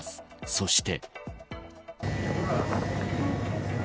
そして。